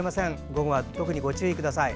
午後は特にご注意ください。